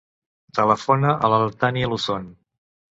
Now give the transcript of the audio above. Telefona a la Tània Luzon.